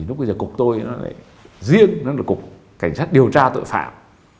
lúc bây giờ cục tôi lại riêng nó là cục cảnh sát điều tra tội phạm